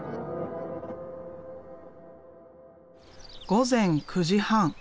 午前９時半。